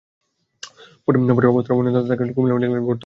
পরে অবস্থার অবনতি হওয়ায় তাকে কুমিল্লা মেডিকেল কলেজ হাসপাতালে ভর্তি করা হয়।